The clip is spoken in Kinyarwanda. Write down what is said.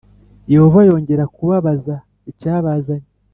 Yehova yongera kubabaza icyabazanye